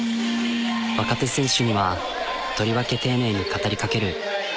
若手選手にはとりわけ丁寧に語りかける。